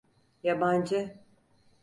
Yabancı…